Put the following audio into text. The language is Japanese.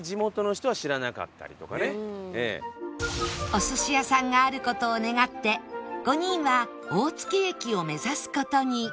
お寿司屋さんがある事を願って５人は大月駅を目指す事に